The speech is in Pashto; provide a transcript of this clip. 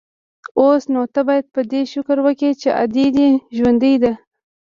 اوس نو ته بايد په دې شکر وکې چې ادې دې ژوندۍ ده.